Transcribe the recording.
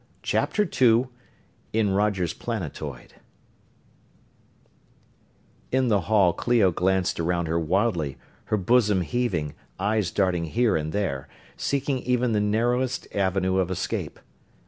CHAPTER II In Roger's Planetoid In the hall Clio glanced around her wildly, her bosom heaving, eyes darting here and there, seeking even the narrowest avenue of escape.